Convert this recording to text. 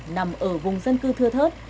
nằm ở vùng dân cư thưa thớt